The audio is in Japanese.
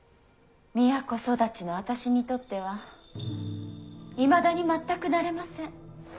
都育ちの私にとってはいまだに全く慣れません。